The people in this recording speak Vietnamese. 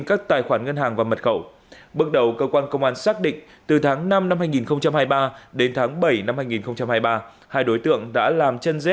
các tài khoản ngân hàng và mật khẩu bước đầu cơ quan công an xác định từ tháng năm năm hai nghìn hai mươi ba đến tháng bảy năm hai nghìn hai mươi ba